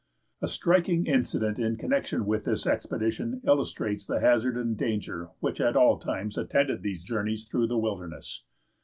A striking incident in connection with this expedition illustrates the hazard and danger which at all times attended these journeys through the wilderness.